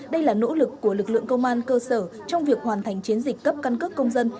đây là nỗ lực của lực lượng công an cơ sở trong việc hoàn thành chiến dịch cấp căn cước công dân